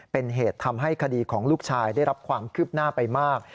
เป็นเหตุทำให้คดีของลูกชายได้รับความคืบหน้าไปมาก